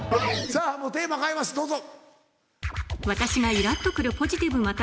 さぁもうテーマ変えますどうぞ。